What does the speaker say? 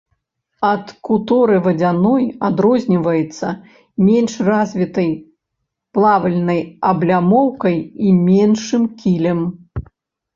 Ад куторы вадзяной адрозніваецца менш развітай плавальнай аблямоўкай і меншым кілем.